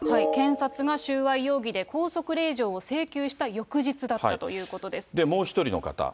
検察が収賄容疑で拘束令状を請求した翌日だったということでもう１人の方。